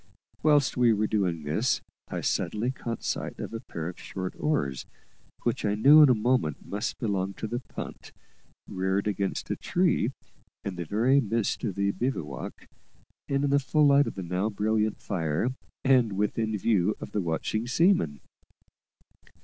Whilst we were doing this, I suddenly caught sight of a pair of short oars, which I knew in a moment must belong to the punt, reared against a tree in the very midst of the bivouac, and in the full light of the now brilliant fire, and within view of the watching seaman.